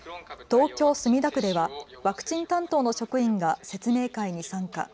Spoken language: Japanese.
東京墨田区ではワクチン担当の職員が説明会に参加。